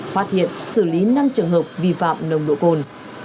phát hiện xử lý năm trường hợp vi phạm nồng độ cồn